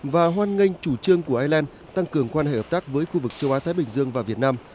và hoan nghênh chủ trương của ireland tăng cường quan hệ hợp tác với khu vực châu á thái bình dương và việt nam